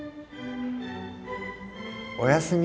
おやすみ。